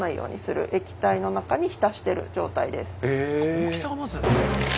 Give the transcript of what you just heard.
大きさがまず。